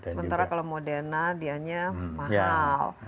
sementara kalau moderna dianya mahal